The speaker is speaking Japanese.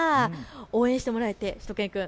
応援してもらえてしゅと犬くん